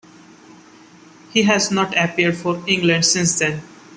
He has not appeared for England since then.